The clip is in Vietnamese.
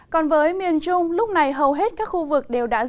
còn với miền trung lúc này hầu hết các khu vực đều đã